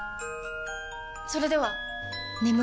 それでは！